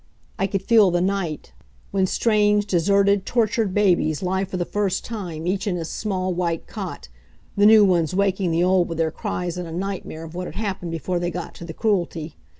I could feel the night, when strange, deserted, tortured babies lie for the first time, each in his small white cot, the new ones waking the old with their cries in a nightmare of what had happened before they got to the Cruelty.